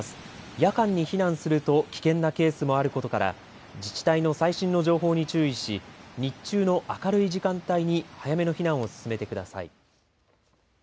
夜間に避難すると危険なケースもあることから自治体の最新の情報に注意し日中の明るい時間帯に早めの避難を進めてください。